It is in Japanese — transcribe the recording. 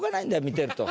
見てると。